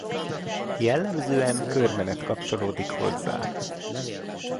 Jellemzően körmenet kapcsolódik hozzá.